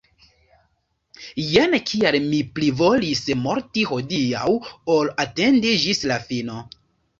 Jen kial mi plivolis morti hodiaŭ ol atendi ĝis la fino.